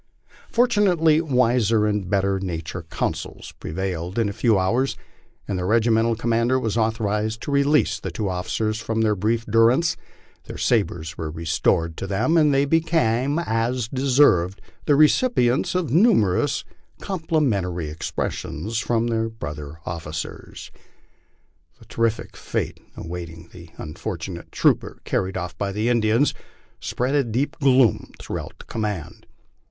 Fortunately wiser and better naturcd counsels pre vailed in a few hours, and their regimental commander was authorized to re lease these two officers from their brief durance, their sabres were restored to them, and they became, as they deserved, the recipients of numerous compli mentary expressions from their brother officers. The terrible fate awaiting the unfortunate trooper carried off by the Indians spread a deep gloom through out the command.